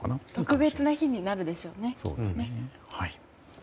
特別な日になるでしょうね。